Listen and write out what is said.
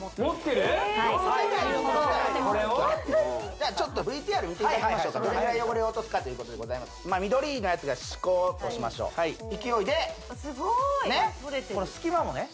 じゃあちょっとＶＴＲ見ていただきましょうかどれぐらい汚れを落とすかということでございます緑のやつが歯垢としましょう勢いでねっすごい・とれてるこの隙間もね